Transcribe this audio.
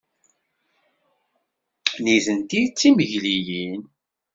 Nitenti d timegliyin.